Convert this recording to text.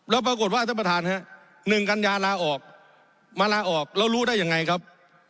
แล้วปรากฏว่าท่านประธานครับ๑กัญญาลาออกมาลาออกแล้วรู้ได้ยังไงครับ